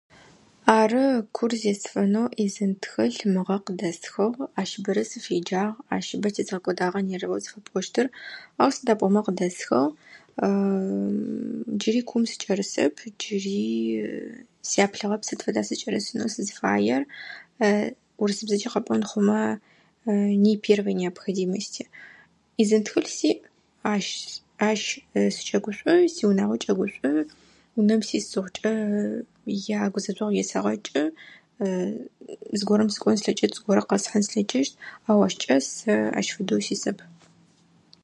Ары, кур зесыфэнэу изын тхылъ мыгъэ къыдесхыгъ. Ащ бэрэ сфеджагъ. Ащ бэрэ зыгъэкӏодагъэ нервэ зыфэпӏощтыр. Ау сыда пӏомэ къыдэсхьыгъ. Джыри кум сыкӏэрысэп. Джыри сяплъыгъэп сыд фэдэ сычӏэрысынэу сызфаер. Урысыбзэкӏи къэпӏон хъумэ «не первой необходимости». Изын тхылъ сиӏ, ащс-ащ скӏэ гушӏо, сиунагъокӏэ гушӏо. Унэм сис зыхъукӏэ я [unintelligible] егъэсаджэ, зыгорэм зыгорэ слъэкӏыщт, зыгорэм къэсхын слъэкӏыщт, ау ащ кӏас, ащ фэдэу сисэп.